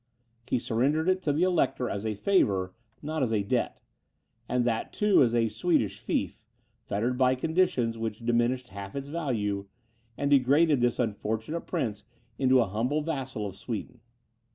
He surrendered it to the Elector as a favour, not as a debt; and that, too, as a Swedish fief, fettered by conditions which diminished half its value, and degraded this unfortunate prince into a humble vassal of Sweden.